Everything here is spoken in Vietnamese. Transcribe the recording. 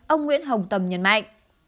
ông nguyễn hồng tâm nhận mạnh